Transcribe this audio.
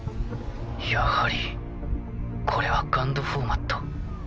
やはりこれはＧＵＮＤフォーマット。